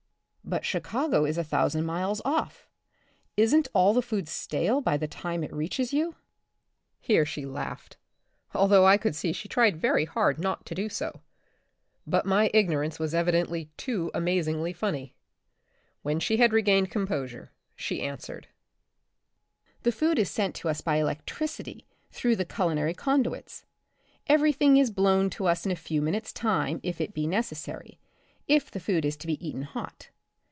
" But Chicago is a thousand miles off. Isn*t all the food stale by the time it reaches you ?Here she laughed, although I could see she tried very hard not to do so. But my ignorance was evidently too amazingly funny. When she 30 The Republic of the Future, had regained composure she answered :The food is sent to us by electricity through the culinary conduits. Every thing is blown to us in a few minutes' time, if it be necessary, if the food is to be eaten hot.